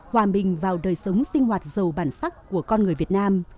hòa mình vào đời sống sinh hoạt giàu bản sắc của con người việt nam